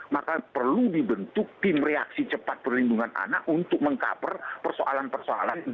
maka perlu dibentuk tim reaksi cepat perlindungan anak untuk meng cover persoalan persoalan